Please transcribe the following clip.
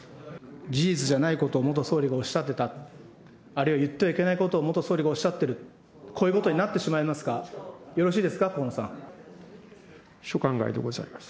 事実じゃないことを元総理がおっしゃってた、あるいは言ってはいけないことを、元総理がおっしゃってる、こういうことになってしまいますが、よろしいですか、所管外でございます。